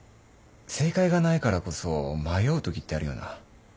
正解がないからこそ迷うときってあるよな。